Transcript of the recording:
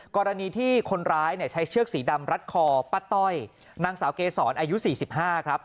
กรณีที่คนร้ายใช้เชือกสีดำรัดคอป้าต้อยนางสาวเกษรอายุ๔๕ครับ